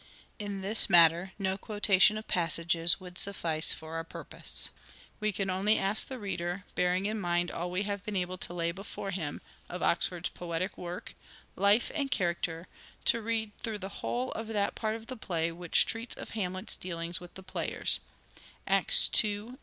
In this matter no quotation of passages would suffice for our purpose. We can only ask the reader, bearing in mind all we have been able to lay before him, of Oxford's poetic work, life and character, to read through the whole of that part of the play which treats of Hamlet's dealings with the players (Acts II .